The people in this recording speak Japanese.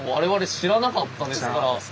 知らなかったですね。